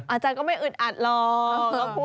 อาจารย์ก็ไม่อึดอัดหรอก